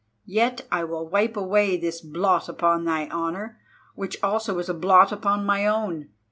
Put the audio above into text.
Yet I will wipe away this blot upon thy honour, which also is a blot upon my own.